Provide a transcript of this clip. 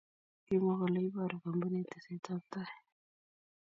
Kimwa kole iboru kampuniit teseetab tai.